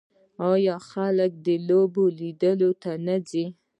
آیا خلک د لوبو لیدلو ته نه ځي؟